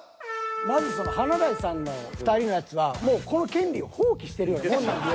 まずその華大さんの２人のやつはもうこの権利を放棄してるようなもんなんです。